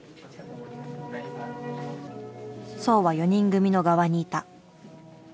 「荘は四人組の側にいた」。